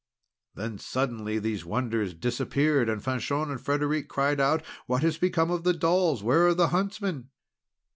Then suddenly these wonders disappeared. And Fanchon and Frederic cried out: "What has become of the dolls? Where are the huntsmen?"